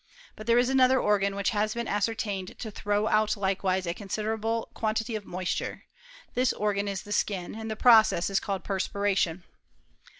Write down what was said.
But there is another organ which has been OF THE PRESENT STATE OF CHEMISTRY. 325 ascertained to throw out likewise a considerable quantity of moisture, this organ is the skin; and the process is called perspiration.